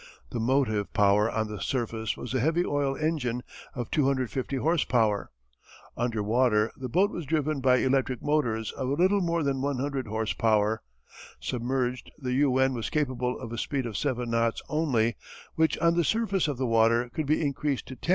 The motive power on the surface was a heavy oil engine of 250 H. P. Under water the boat was driven by electric motors of a little more than 100 H. P. Submerged the "U 1" was capable of a speed of 7 knots only, which on the surface of the water could be increased to 10.